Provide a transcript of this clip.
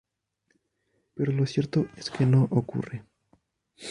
Pero lo cierto es que no ocurre.